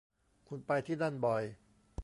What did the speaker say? คุณไปที่นั่นบ่อย